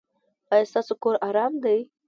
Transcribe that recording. ایا ستاسو کور ارام دی؟